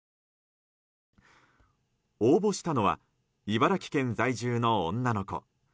応募したのは茨城県在住の女の子。